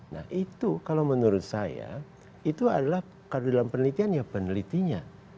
nah itu kalau menurut saya itu adalah kalau dalam penelitian ya penelitinya